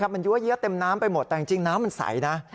มันยั่วเยี้ยเต็มน้ำไปหมดแต่จริงน้ำมันใสนะ